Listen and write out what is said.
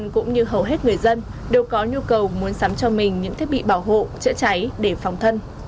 chỉ muốn sắm cho mình những thiết bị bảo hộ chữa cháy để phòng thân